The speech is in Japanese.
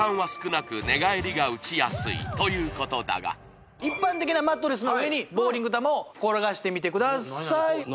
寝返りが打ちやすいということだが一般的なマットレスの上にボウリング球を転がしてみてください